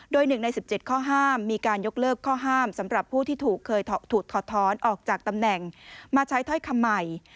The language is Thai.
โดย๑ใน๑๗ข้อห้ามมีการยกเลิกข้อห้ามสำหรับผู้ที่ถูกเคยถูกถอดท้อนออกจากตำแหน่งมาใช้ถ้อยคำใหม่